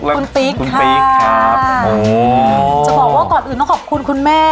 คุณติ๊กคุณติ๊กครับโอ้จะบอกว่าก่อนอื่นต้องขอบคุณคุณแม่